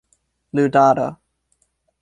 ludado